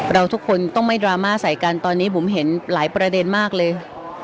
เราทุกคนต้องไม่ดราม่าใส่กันตอนนี้ผมเห็นหลายประเด็นมากเลย